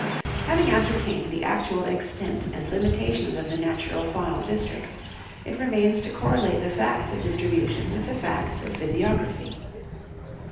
Having ascertained the actual extent and limitations of the natural faunal districts, it remains to correlate the facts of distri bution with the facts of physiography.